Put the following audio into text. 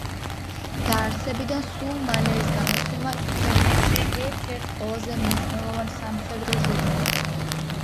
დაარსებიდან სულ მალე ეს გამოცემა იქცა ევროპის ერთ-ერთ ყველაზე მნიშვნელოვან სამხედრო ჟურნალად.